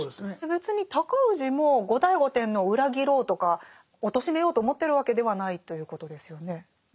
別に尊氏も後醍醐天皇を裏切ろうとかおとしめようと思ってるわけではないということですよね。